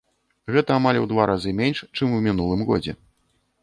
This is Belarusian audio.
Гэта амаль у два разы менш, чым у мінулым годзе.